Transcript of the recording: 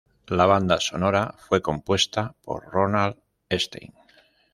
La banda sonora fue compuesta por Ronald Stein.